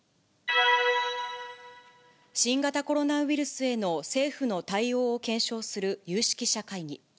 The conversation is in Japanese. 新型コロナウイルスへの政府の対応を検証する有識者会議。